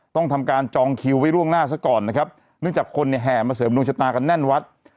ต้องทำการจองคิวไว้ล่วงหน้าซะก่อนนะครับเนื่องจากคนเนี่ยแห่มาเสริมดวงชะตากันแน่นวัด